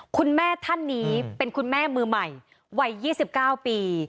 คุณแม่ท่านนี้เป็นคุณแม่มือใหม่วัย๒๙ปี